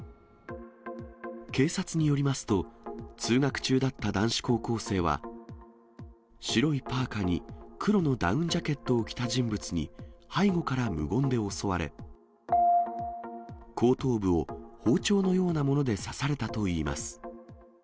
警察によりますと、通学中だった男子高校生は、白いパーカーに、黒のダウンジャケットを着た人物に背後から無言で襲われ、後頭部を包丁のようなもので刺されたといいます。